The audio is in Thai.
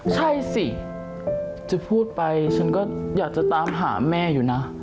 ใช่สิจะพูดไปฉันก็อยากจะตามหาแม่อยู่นะ